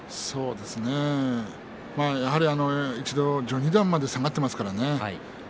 やはり一度序二段まで下がっていますからね。